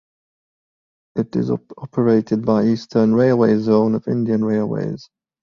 It is operated by Eastern Railway zone of Indian Railways.